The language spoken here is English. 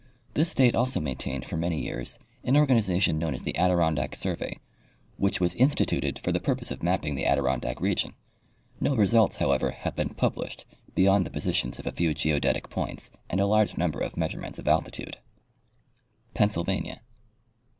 This state also maintained for many years an organization known as the Adirondadc sur vey, which was instituted for the purpose of mapping the Adi rondack region. No results, however, have been published beyond the positions of a fcAV geodetic points and a large number of measurements of altitude. Pennsylvania.